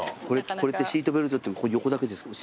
これってシートベルトって横だけですか？